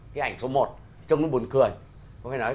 cái ảnh số một trông nó buồn cười